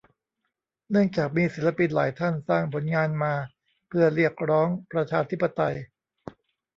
เนื่องจากมีศิลปินหลายท่านสร้างผลงานมาเพื่อเรียกร้องประชาธิปไตย